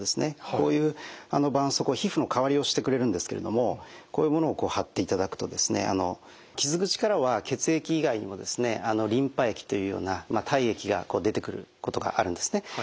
こういうばんそうこう皮膚の代わりをしてくれるんですけれどもこういうものを貼っていただくと傷口からは血液以外にもリンパ液というような体液が出てくることがあるんですね。